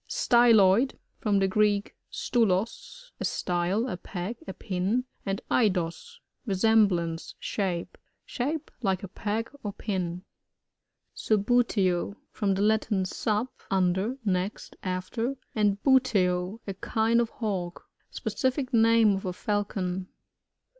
Styloid.— From the Greek, MtuloB^ a style, a peg, a pin, and eidaa^ re semblance, diape. Shaped like a peg or pin. Subbuteo. — From the Latin, stf6, un der, next, after, and buteo, a kind of Hawk. Specific name of a Falcon.